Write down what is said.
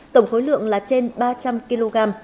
tổng khối lượng là trên ba trăm linh kg